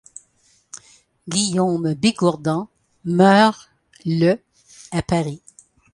Guillaume Bigourdan meurt le à Paris.